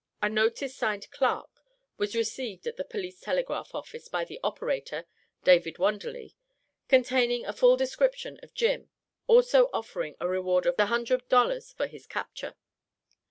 A notice signed "Clarke," was received at the Police Telegraph Office by the operator (David Wunderly) containing a full description of Jim, also offering a reward of $100 for his capture.